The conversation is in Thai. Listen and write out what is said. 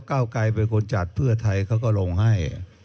เก้าไกรเป็นคนจัดเพื่อไทยเขาก็ลงให้